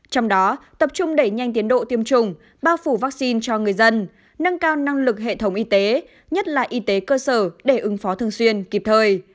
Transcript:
trong đó tập trung đẩy nhanh tiến độ tiêm chủng bao phủ vaccine cho người dân nâng cao năng lực hệ thống y tế nhất là y tế cơ sở để ứng phó thường xuyên kịp thời